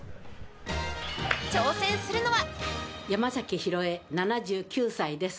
挑戦するのは。